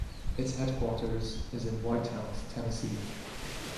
Its headquarters is in White House, Tennessee.